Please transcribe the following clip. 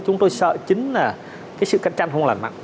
chúng tôi sợ chính là cái sự cạnh tranh không lành mạnh